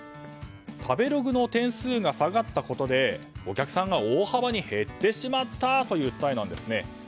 食べログの点数が下がったことでお客さんが大幅に減ってしまったという訴えなんですね。